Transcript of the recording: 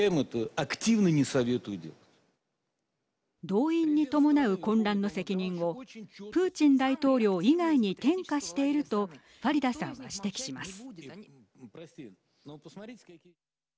動員に伴う混乱の責任をプーチン大統領以外に転嫁しているとファリダさんは指摘します。